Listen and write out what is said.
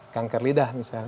kanker lidah misalnya